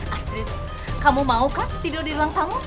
astri kamu mau kan tidur di ruang tamu